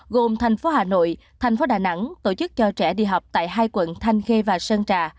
gồm thành phố hà nội thành phố đà nẵng tổ chức cho trẻ đi học tại hai quận thanh khê và sơn trà